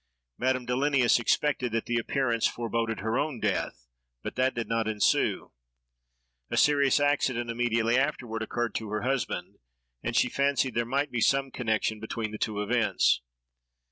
Madame Dillenius expected that the appearance foreboded her own death; but that did not ensue. A serious accident immediately afterward occurred to her husband, and she fancied there might be some connection between the two events.